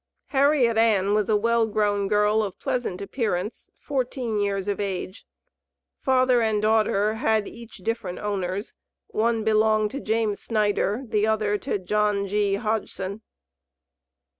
Harriet Ann was a well grown girl of pleasant appearance, fourteen years of age. Father and daughter had each different owners, one belonged to James Snyder, the other to John G. Hodgson.